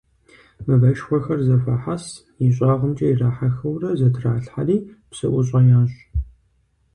Мывэшхуэхэр зэхуахьэс, ищӀагъымкӀэ ирахьэхыурэ, зэтралъхьэри, псыӀущӀэ ящӀ.